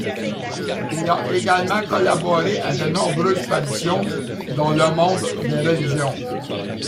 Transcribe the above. Il a également collaboré à de nombreuses parutions dont le Monde des Religions.